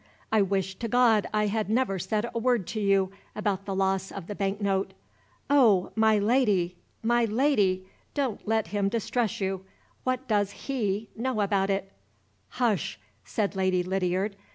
"I wish to God I had never said a word to you about the loss of the bank note! Oh, my Lady! my Lady! don't let him distress you! What does he know about it?" "Hush!" said Lady Lydiard.